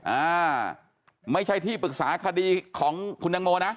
อ่าไม่ใช่ที่ปรึกษาคดีของคุณตังโมนะ